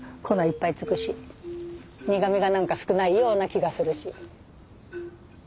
粉いっぱいつくし苦みが何か少ないような気がするし。